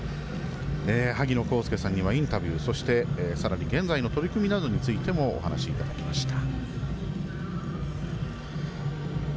萩野公介さんにはインタビューそして現在の取り組みなどについてもお話いただきました。